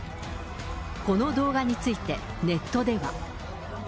この動画について、ネットでは。